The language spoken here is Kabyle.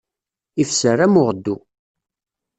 Ifser, am uɣeddu.